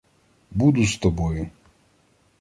буду з тобою.